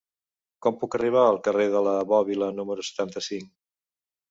Com puc arribar al carrer de la Bòbila número setanta-cinc?